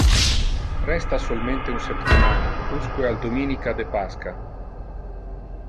Resta solmente un septimana usque al dominica de pascha.